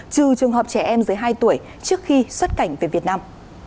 trừ trường hợp trẻ em dưới hai tuổi trước khi xuất cảnh về việt nam